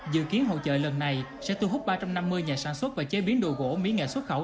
dự kiến hội trợ lần này sẽ thu hút ba trăm năm mươi nhà sản xuất và chế biến đồ gỗ mỹ nghệ xuất khẩu